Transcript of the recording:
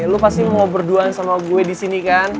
lo pasti mau berduaan sama gue di sini kan